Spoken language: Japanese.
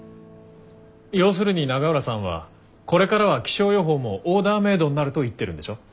要するに永浦さんはこれからは気象予報もオーダーメードになると言ってるんでしょ？